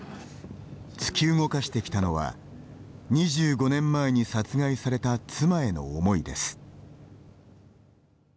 突き動かしてきたのは２５年前に殺害された妻への思いです。